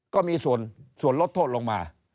ก็มีส่วนลดโทษลงมา